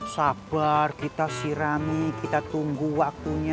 sabar kita sirami kita tunggu waktunya